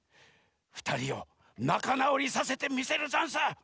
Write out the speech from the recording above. ふたりをなかなおりさせてみせるざんす！